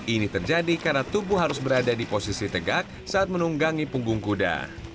ini terjadi karena tubuh harus berada di posisi tegak saat menunggangi punggung kuda